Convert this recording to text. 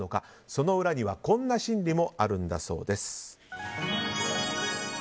その裏にはこんな心理もあるんだそうです。